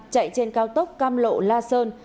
chạy trên cao tốc cam lộ la sơn